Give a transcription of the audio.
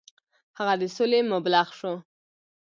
هغه د سولې مبلغ شو.